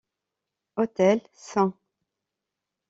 Hôtel St.